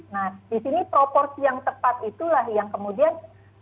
nah di sini proporsi yang tepat itulah yang kemudian